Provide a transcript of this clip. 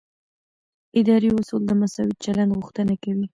اداري اصول د مساوي چلند غوښتنه کوي.